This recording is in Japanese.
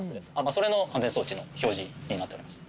それの安全装置の表示になっております。